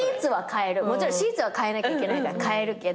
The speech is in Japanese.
もちろんシーツは替えなきゃいけないから替えるけど。